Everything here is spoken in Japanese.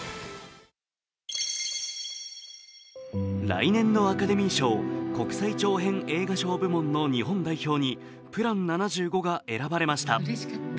来年のアカデミー賞国際長編映画賞部門の日本代表に「ＰＬＡＮ７５」が選ばれました。